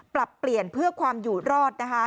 ปรับเปลี่ยนเพื่อความอยู่รอดนะคะ